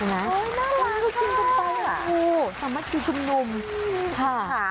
น่ารักค่ะ